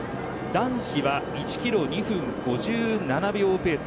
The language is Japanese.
男子は１キロ２分５７秒ペース。